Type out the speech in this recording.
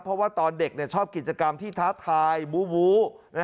เพราะว่าตอนเด็กชอบกิจกรรมที่ท้าทายบู